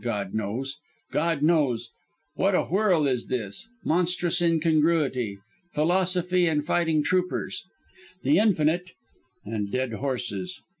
God knows. God knows. What a whirl is this? Monstrous incongruity. Philosophy and fighting troopers. The Infinite and dead horses.